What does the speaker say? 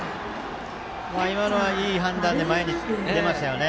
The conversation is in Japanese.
今のはいい判断で前に出ましたね。